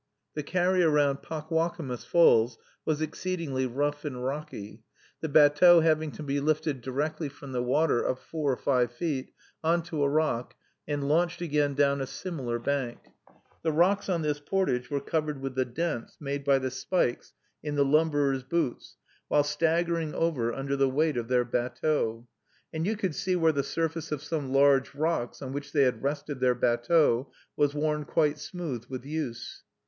The carry around Pockwockomus Falls was exceedingly rough and rocky, the batteau having to be lifted directly from the water up four or five feet on to a rock, and launched again down a similar bank. The rocks on this portage were covered with the dents made by the spikes in the lumberers' boots while staggering over under the weight of their batteaux; and you could see where the surface of some large rocks on which they had rested their batteaux was worn quite smooth with use.